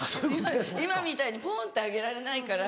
今みたいにポンって上げられないから。